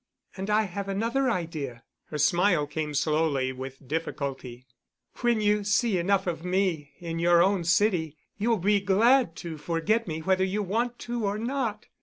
And I have another idea," her smile came slowly, with difficulty, "when you see enough of me in your own city, you will be glad to forget me whether you want to or not.